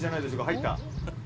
入った。